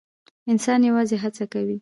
انسان یوازې هڅه کوي